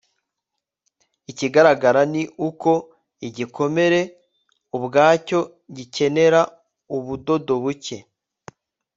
ikigaragara ni uko igikomere ubwacyo gikenera ubudodo buke